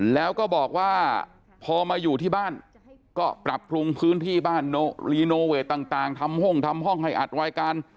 แล้วก็บอกว่าพอมาอยู่ที่บ้านก็ปรับปรุงพื้นที่บ้านรีโนเวทต่างทำห้องทำห้องให้อัดรายการ